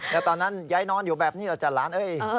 แล้วตอนนั้นยายนอนอยู่แบบนี้อาจารย์ล้าน